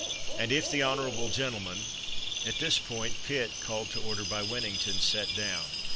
And if the honorable gentle man — [At this point Pitt, called to order by Win nington, sat down.